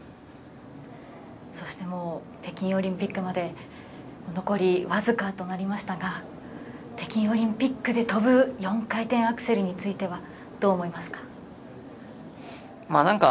そして、もう北京オリンピックまで残りわずかとなりましたが北京オリンピックで跳ぶ４回転アクセルについてはどう思いますか。